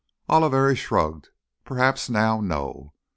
Oliveri shrugged. "Perhaps now, no.